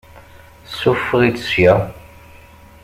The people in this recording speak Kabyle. Ssufeɣ-itt ssya!